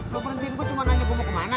lo berhentiin gue cuma nanya gue mau ke mana